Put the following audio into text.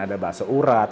ada bakso urat